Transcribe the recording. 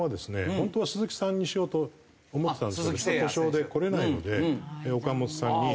本当は鈴木さんにしようと思ってたんですけど故障で来れないので岡本さんに。